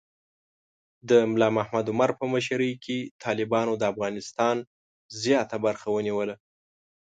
د ملا محمد عمر په مشرۍ کې طالبانو د افغانستان زیات برخه ونیوله.